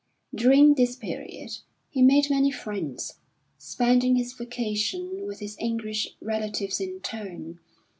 During this period he made many friends, spending his vacation with his English relatives in turn.